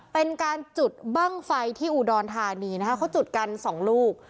เป็นการจุดบ้างไฟที่อุดรธานีนะคะเขาจุดกันสองลูก